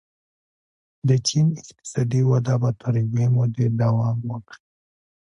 د چین اقتصادي وده به تر یوې مودې دوام وکړي.